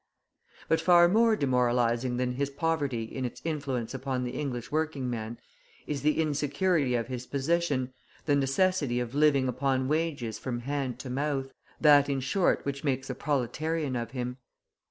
But far more demoralising than his poverty in its influence upon the English working man is the insecurity of his position, the necessity of living upon wages from hand to mouth, that in short which makes a proletarian of him.